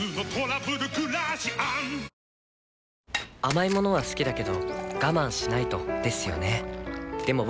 甘い物は好きだけど我慢しないとですよね